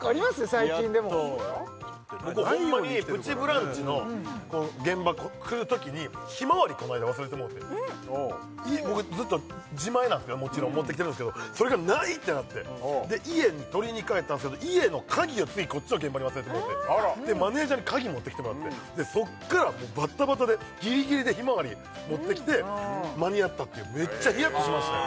最近僕ホンマに「プチブランチ」の現場来るときにひまわりこの間忘れてもうて僕ずっと自前なんですけどもちろん持ってきてるんですけどそれが「ない！」ってなって家に取りに帰ったんですけど家の鍵を次こっちの現場に忘れてもうてマネージャーに鍵持ってきてもらってそこからもうバタバタでギリギリでひまわり持ってきて間に合ったっていうめっちゃヒヤッとしましたよ